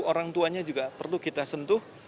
orang tuanya juga perlu kita sentuh